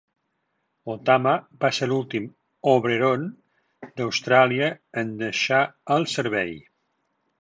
"Otama" va ser l"últim "Oberon" d"Austràlia en deixar el servei.